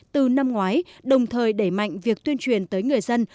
từ năm ngoái đồng thời đẩy mạnh việc tuyên truyền tới người dân